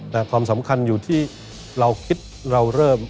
แต่ความสำคัญอยู่ที่เราคิดเราเริ่ม